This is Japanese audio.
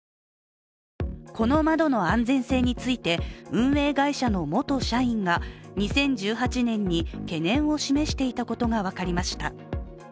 この窓の安全性について運営会社の元社員が２０１８年に懸念を示していたことが分かりました。